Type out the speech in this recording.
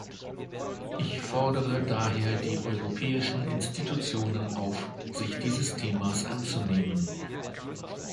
Ich fordere daher die europäischen Institutionen auf, sich dieses Themas anzunehmen.